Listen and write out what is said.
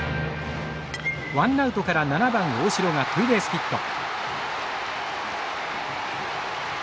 ワンナウトから７番大城がツーベースヒット。